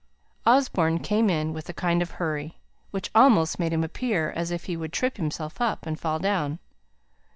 Osborne came in, with a kind of hurry, which almost made him appear as if he would trip himself up, and fall down.